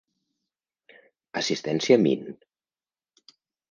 Assistència mín.